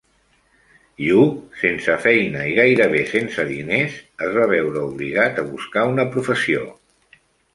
Yu, sense feina i gairebé sense diners, es va veure obligat a buscar una professió.